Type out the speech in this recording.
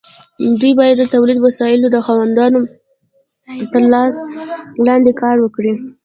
دوی باید د تولیدي وسایلو د خاوندانو تر لاس لاندې کار وکړي.